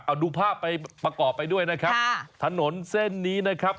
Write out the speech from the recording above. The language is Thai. เอาดูภาพไปประกอบไปด้วยนะครับค่ะถนนเส้นนี้นะครับ